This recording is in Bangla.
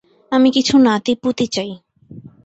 আমি কিছু নাতি-পুতি চাই!